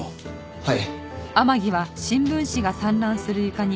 はい。